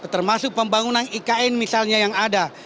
termasuk pembangunan ikn misalnya yang ada